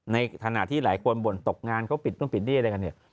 ในฐานะที่แหล่งคนบ่นตกงานเขาปิดต้องปิดในด้วยนะกันเนี่ย